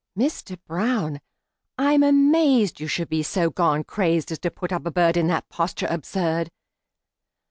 Mister Brown, I'm amazed You should be so gone crazed As to put up a bird In that posture absurd!